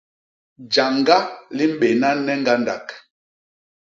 Jañga li mbéna ne ñgandak.